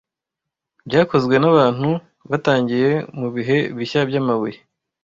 byakozwe n'abantu byatangiye mu bihe bishya by'amabuye.